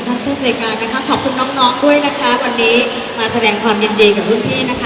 ขอบคุณทั้งปุ่มเวลากาดนะคะขอบคุณน้องน้องด้วยนะคะวันนี้มาแสดงความยินดีกับเพื่อนเพียวนะคะ